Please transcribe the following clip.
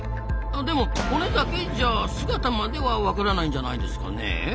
でも骨だけじゃあ姿まではわからないんじゃないですかねえ？